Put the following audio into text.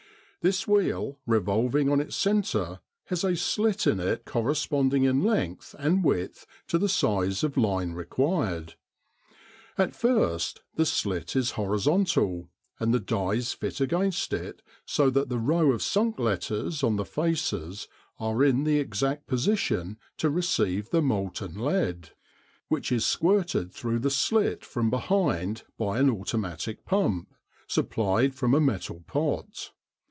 This wheel, revolving on its centre, has a slit in it corresponding in length and width to the size of line required. At first the slit is horizontal, and the dies fit against it so that the row of sunk letters on the faces are in the exact position to receive the molten lead, which is squirted through the slit from behind by an automatic pump, supplied from a metal pot.